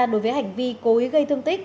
đối với hành vi cối gây thương tích